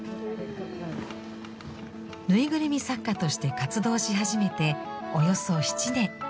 ぬいぐるみ作家として活動し始めておよそ７年。